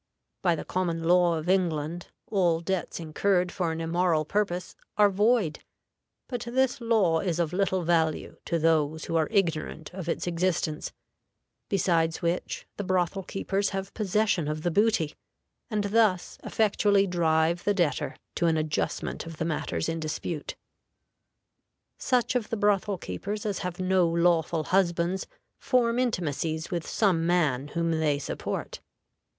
By the common law of England, all debts incurred for an immoral purpose are void, but this law is of little value to those who are ignorant of its existence; besides which, the brothel keepers have possession of the booty, and thus effectually drive the debtor to an adjustment of the matters in dispute. Such of the brothel keepers as have no lawful husbands form intimacies with some man whom they support.